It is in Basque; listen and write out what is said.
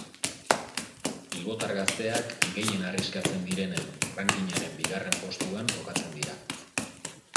Bilbotar gazteak gehien arriskatzen direnen rankingaren bigarren postuan kokatzen dira.